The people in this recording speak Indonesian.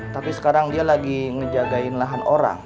tapi sekarang dia lagi ngejagain lahan orang